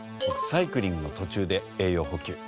サイクリングの途中で栄養補給。